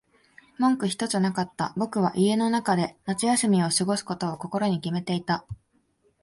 文句ひとつなかった。僕は家の中で夏休みを過ごすことを心に決めていた。